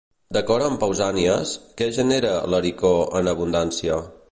D'acord amb Pausànies, què genera l'Helicó en abundància?